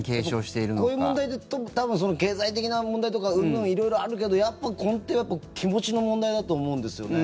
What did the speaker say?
こういう問題だと多分経済的な問題とかうんぬん色々あるけどやっぱ根底は気持ちの問題だと思うんですよ。